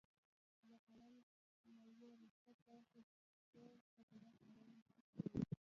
له عالم نه یې رخصت واخیست کور په طرف روان شو.